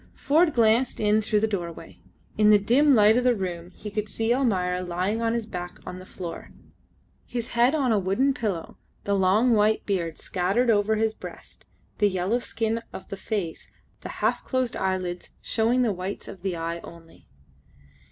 Ford glanced in through the doorway. In the dim light of the room he could see Almayer lying on his back on the floor, his head on a wooden pillow, the long white beard scattered over his breast, the yellow skin of the face, the half closed eyelids showing the whites of the eye only.